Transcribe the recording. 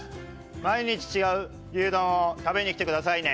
毎日違う牛丼を食べに来てくださいね。